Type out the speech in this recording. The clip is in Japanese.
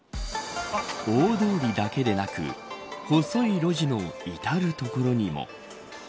大通りだけでなく細い路地の至る所にも。